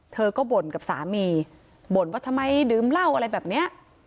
เธอก็บ่นกับสามีบ่นว่าทำไมดื่มเหล้าอะไรแบบนี้